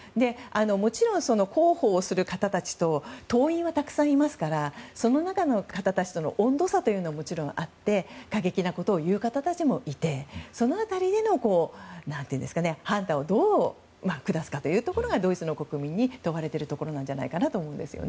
もちろん、広報をする方たちと党員はたくさんいますからその中の方たちとの温度差はもちろんあって過激なことを言う方たちもいてその辺りの判断をどう下すかというところがドイツの国民に問われているところじゃないかなと。